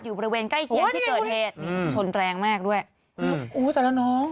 อยู่บริเวณใกล้เคียงที่เกิดเหตุชนแรงมากด้วยโอ้โฮแต่ละน้อง